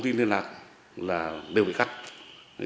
để tìm hiểu các mối quan hệ